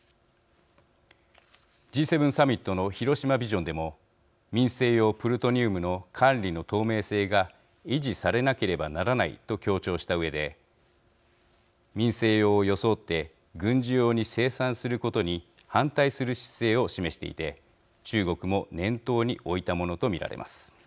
Ｇ７サミットの広島ビジョンでも民生用プルトニウムの管理の透明性が維持されなければならないと強調したうえで民生用を装って軍事用に生産することに反対する姿勢を示していて中国も念頭に置いたものと見られます。